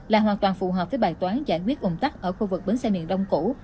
là hoàn toàn phù hợp với bài toán giải quyết ủng tắc ở khu vực bến xe miền đông cũ